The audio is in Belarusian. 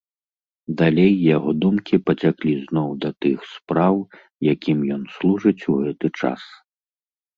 Далей яго думкі пацяклі зноў да тых спраў, якім ён служыць у гэты час.